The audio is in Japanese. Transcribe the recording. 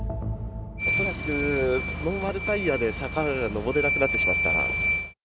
恐らくノーマルタイヤで坂を上れなくなってしまった。